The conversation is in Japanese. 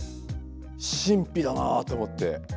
神秘だなと思って。